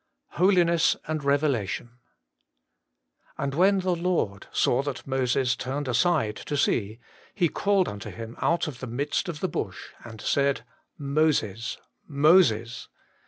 Holiness an& i&ebelatton* ' And when the Lord saw that Moses tnrned aside to see, He called unto him out of the midst of the hush, and said, Moses, Moses.